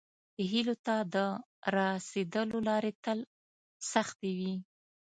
هیلو ته د راسیدلو لارې تل سختې وي.